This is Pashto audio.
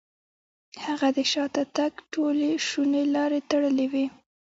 هغه د شاته تګ ټولې شونې لارې تړلې وې.